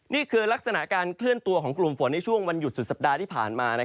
นี่คือลักษณะการเคลื่อนตัวของกลุ่มฝนในช่วงวันหยุดสุดสัปดาห์ที่ผ่านมา